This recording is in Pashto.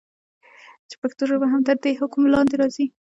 چې پښتو ژبه هم تر دي حکم لاندي راځي.